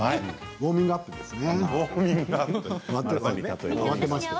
ウォーミングアップですね。